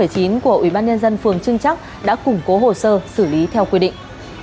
của ubnd phường trương trắc đã củng cố hồ sơ xử lý theo quy định